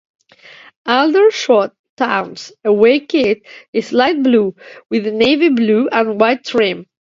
Aldershot Town's away kit is light blue with a navy blue and white trim.